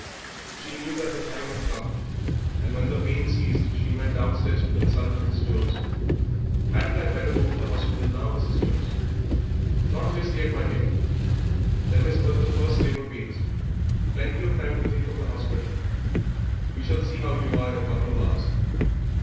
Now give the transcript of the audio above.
She knew that her time had come, and when the pain ceased she went downstairs to consult Mrs. Jones. "Hadn't I better go to the hospital now, Mrs. Jones?" "Not just yet, my dear; them is but the first labour pains; plenty of time to think of the hospital; we shall see how you are in a couple of hours."